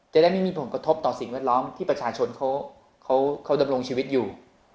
จะได้ไม่มีผลกระทบต่อสิ่งแวดล้อมที่ประชาชนเขาดำรงชีวิตอยู่